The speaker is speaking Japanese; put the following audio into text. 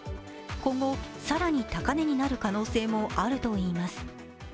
今後、更に高値になる可能性もあるといいます。